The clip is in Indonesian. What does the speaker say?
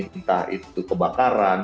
entah itu kebakaran